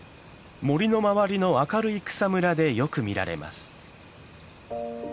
森の周りの明るい草むらでよく見られます。